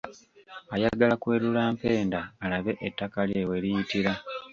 Ayagala kwerula mpenda alabe ettaka lye we liyitira.